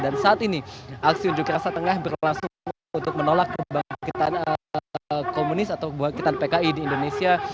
dan saat ini aksi unjuk kerasa tengah berlangsung untuk menolak kebangkitan komunis atau kebangkitan pki di indonesia